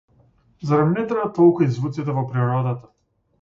Зарем не траат толку и звуците во природата?